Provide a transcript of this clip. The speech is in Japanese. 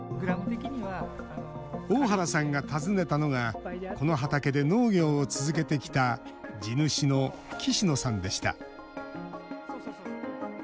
大原さんが訪ねたのがこの畑で農業を続けてきた地主の岸野さんでした。